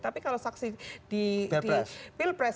tapi kalau saksi di pilpres